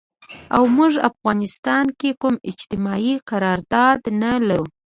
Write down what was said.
او مونږ افغانستان کې کوم اجتماعي قرارداد نه لرو